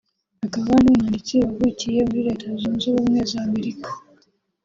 akaba n’umwanditsi wavukiye muri Leta Zunze ubumwe za Amerika